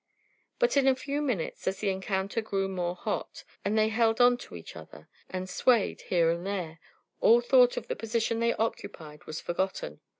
But in a few minutes, as the encounter grew more hot, and they held on to each other, and swayed here and there, all thought of the position they occupied was forgotten.